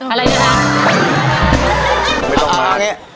อะไรเนี่ย